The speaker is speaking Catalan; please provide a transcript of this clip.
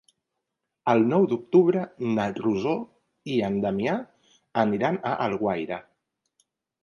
El nou d'octubre na Rosó i en Damià aniran a Alguaire.